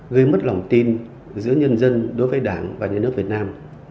gây mất lòng tin giữa nhân dân đối với đảng và nhà nước việt nam